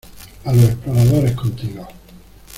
a los exploradores contigo.